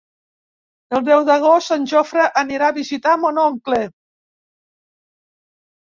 El deu d'agost en Jofre anirà a visitar mon oncle.